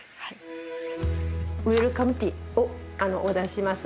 ウェルカムティーをお出しします。